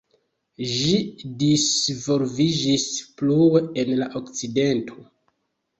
Ĝi disvolviĝis plue en la Okcidento.